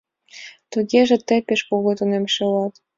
Тугеже тый пеш кугу тунемше улат.